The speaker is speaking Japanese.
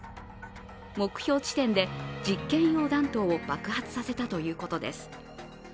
目標地点で実験用弾頭を爆発させたということです。